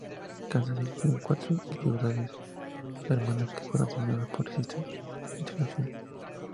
Kansas City tiene cuatro ciudades hermanas, que fueron designadas por Sister Cities International, Inc.